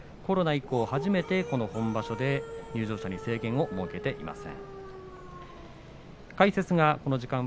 コロナ以降初めて本場所で入場時に制限を設けています。